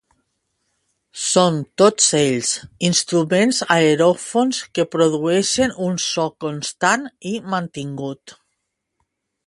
Són, tots ells, instruments aeròfons que produeixen un so constant i mantingut.